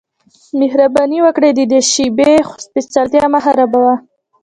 مهرباني وکړه د دې شیبې سپیڅلتیا مه خرابوه